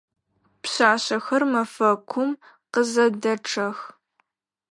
Пшъашъэхэр мэфэкум къызэдэчъэх.